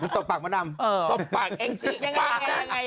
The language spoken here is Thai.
ตบปากมดดำตบปากแองจิ๊ปากอย่างไร